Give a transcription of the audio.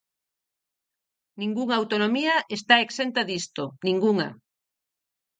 Ningunha autonomía está exenta disto, ningunha.